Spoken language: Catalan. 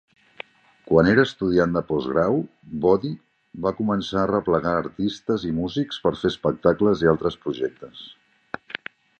Quan era estudiant de postgrau, Body va començar a arreplegar artistes i músics per fer espectacles i altres projectes.